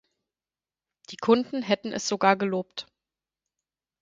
Die Kunden hätten es sogar gelobt.